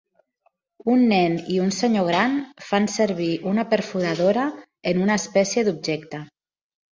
Un nen i un senyor gran fan servir una perforadora en una espècie d'objecte.